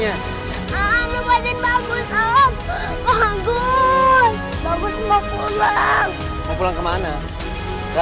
jangan om lupa aja